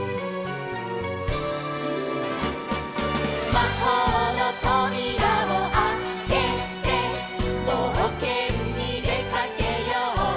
「まほうのとびらをあけて」「ぼうけんにでかけよう」